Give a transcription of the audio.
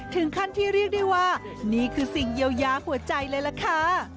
ถึงขั้นที่เรียกได้ว่านี่คือสิ่งเยียวยาหัวใจเลยล่ะค่ะ